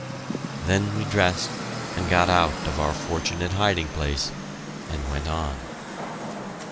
Then we dressed and got out of our fortunate hiding place, and went on.